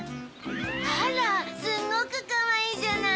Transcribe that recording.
あらすっごくかわいいじゃない。